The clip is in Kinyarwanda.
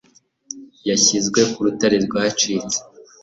Yashizwe ku rutare rwacitse